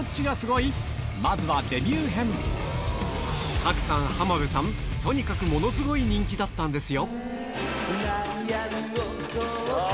賀来さん浜辺さんとにかくものすごい人気だったんですよ